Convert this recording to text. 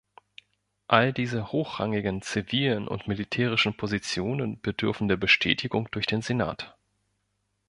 All diese hochrangigen zivilen und militärischen Positionen bedürfen der Bestätigung durch den Senat.